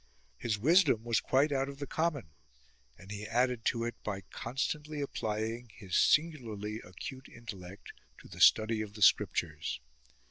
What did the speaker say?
His wisdom was quite out of the common, and he added to it by constantly applying his singularly acute Intellect to the study of the scriptures.